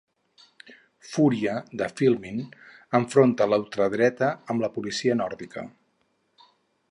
"Furia", de Filmin, enfronta la ultradreta amb la policia nòrdica.